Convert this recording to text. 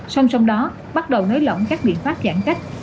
song song đó bắt đầu nới lỏng các biện pháp giãn cách